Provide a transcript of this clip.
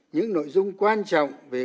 những nội dung quan trọng về quan